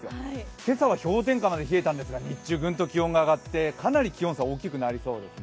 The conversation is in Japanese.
今朝は氷点下まで冷えたんですが日中グンと気温が上がって、かなり気温差大きくなりそうですね。